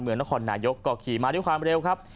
นครนายกก็ขี่มาด้วยความเร็วครับ